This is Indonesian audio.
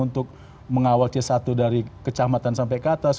untuk mengawal c satu dari kecamatan sampai ke atas